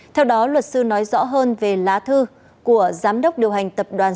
theo đó luật sư nói rõ hơn về lá thư của giám đốc điều hành tập đoàn